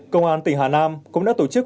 công an tỉnh hà nam cũng đã tổ chức